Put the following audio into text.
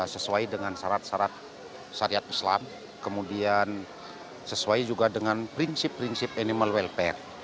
sesuai dengan syarat syarat syariat islam kemudian sesuai juga dengan prinsip prinsip animal welfare